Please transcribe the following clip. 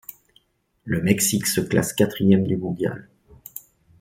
Le Mexique se classe quatrième du mondial.